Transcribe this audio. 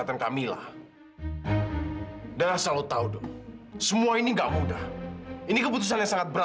horrible bahwa esta untuk minta mati pun sama sama